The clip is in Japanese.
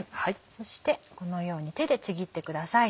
そしてこのように手でちぎってください。